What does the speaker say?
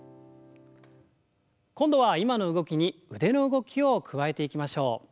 今度は今の動きに腕の動きを加えていきましょう。